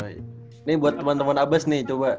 ini buat temen temen abas nih coba